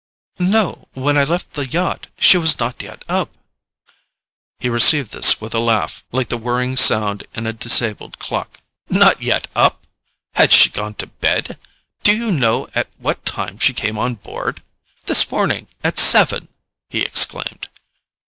"No—when I left the yacht she was not yet up." He received this with a laugh like the whirring sound in a disabled clock. "Not yet up? Had she gone to bed? Do you know at what time she came on board? This morning at seven!" he exclaimed.